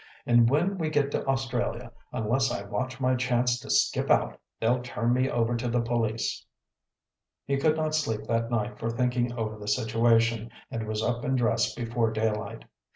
And when we get to Australia, unless I watch my chance to skip out, they'll turn me over to the police." He could not sleep that night for thinking over the situation and was up and dressed before daylight.